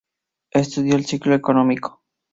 Estudió el ciclo económico.